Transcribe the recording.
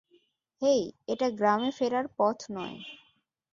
হেই, এটা গ্রামে ফেরার পথ নয়।